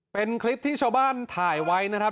เป็นคลิปที่ชาวบ้านถ่ายไว้นะครับ